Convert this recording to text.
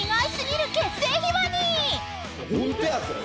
「ホントやそれ。